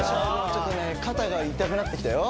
ちょっとね肩が痛くなってきたよ